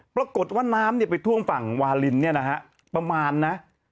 ปรากฏว่าน้ำไปท่วงฝั่งวาลินประมาณ